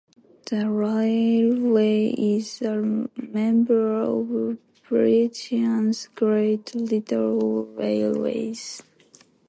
The railway is a member of Britain's Great Little Railways.